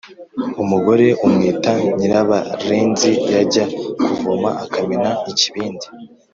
Umugore umwita Nyirabarenzi yajya kuvoma akamena ikibindi.